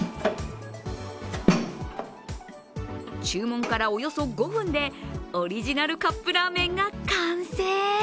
注文からおよそ５分でオリジナルカップラーメンが完成。